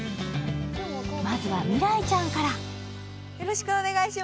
まずは、未来ちゃんから。